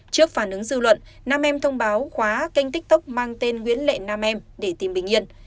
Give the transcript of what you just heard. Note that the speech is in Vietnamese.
trước phản ứng dư luận nam em thông báo khóa kênh tiktok mang tên nguyễn lệ nam em để tìm bình yên